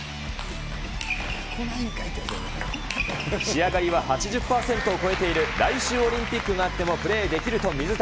仕上がりは８０％を超えている、来週、オリンピックがあってもプレーできると水谷。